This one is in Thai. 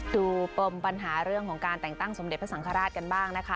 ปมปัญหาเรื่องของการแต่งตั้งสมเด็จพระสังฆราชกันบ้างนะคะ